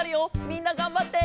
みんながんばって！